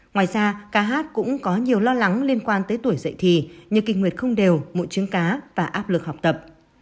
ngoài ra kh cũng có nhiều lo lắng liên quan tới tuổi dậy thì như kinh nguyệt không đều mụn trứng cá và áp lực học tập